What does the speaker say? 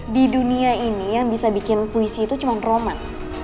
di dunia ini yang bisa bikin puisi itu cuma roman